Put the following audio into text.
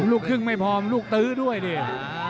ลูกครึ่งไม่พร้อมลูกตื้อด้วยเนี่ย